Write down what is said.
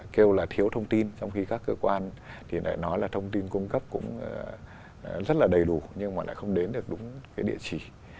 kêu là thiếu thông tin trong khi các cơ quan thì lại nói là thông tin cung cấp cũng rất là đầy đủ nhưng mà lại không đến được đúng cái địa chỉ